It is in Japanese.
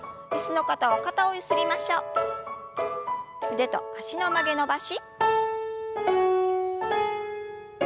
腕と脚の曲げ伸ばし。